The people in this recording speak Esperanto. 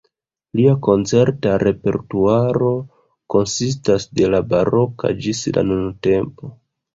Lia koncerta repertuaro konsistas de la baroko ĝis la nuntempo.